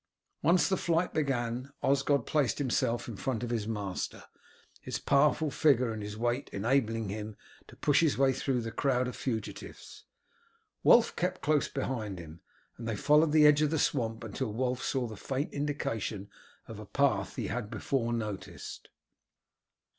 Once the flight began, Osgod placed himself in front of his master, his powerful figure and his weight enabling him to push his way through the crowd of fugitives. Wulf kept close behind him, and they followed the edge of the swamp until Wulf saw the faint indication of a path he had before noticed.